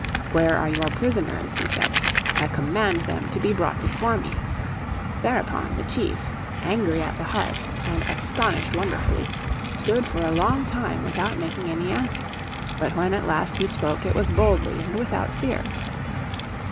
"Where are your prisoners?" he said. "I command them to be brought before me." Thereupon the chief, "angry at the heart and astonied wonderfully," stood a long time without making any answer. But when at last he spoke it was boldly and without fear.